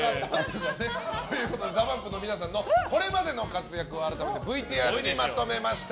ＤＡＰＵＭＰの皆さんのこれまでの活躍を改めてＶＴＲにまとめました。